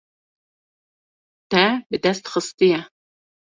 Te bi dest xistiye.